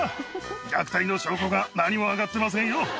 虐待の証拠が何も挙がっていませんよ。